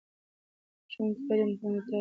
ښوونکي باید امانتدار وي.